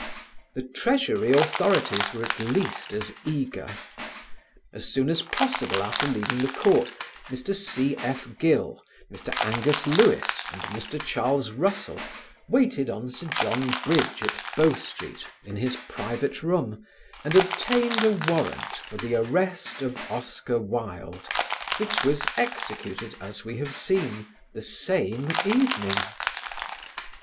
The Treasury authorities were at least as eager. As soon as possible after leaving the court Mr. C.F. Gill, Mr. Angus Lewis, and Mr. Charles Russell waited on Sir John Bridge at Bow Street in his private room and obtained a warrant for the arrest of Oscar Wilde, which was executed, as we have seen, the same evening.